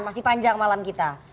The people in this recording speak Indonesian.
masih panjang malam kita